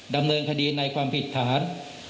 ดำเนินคดีในความผิดฐาน